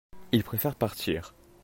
il préfère partir.